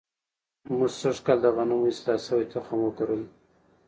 موږ سږ کال د غنمو اصلاح شوی تخم وکرلو.